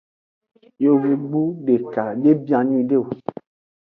Yovogbu deka de bia nyuiede o.